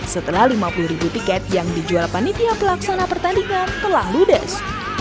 setelah lima puluh ribu tiket yang dijual panitia pelaksana pertandingan telah ludes